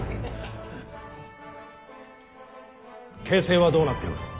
形勢はどうなっておる。